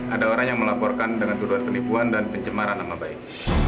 ada orang yang melaporkan dengan tuduhan penipuan dan pencemaran nama baik